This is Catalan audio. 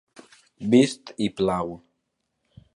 Vist i plau.